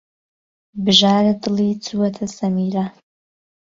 بژار دڵی چووەتە سەمیرە.